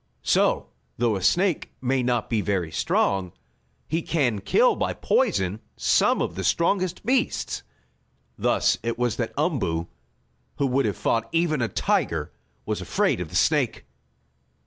So though a snake may not be very strong, he can kill by poison some of the strongest beasts. Thus it was that Umboo, who would have fought even a tiger, was afraid of the snake.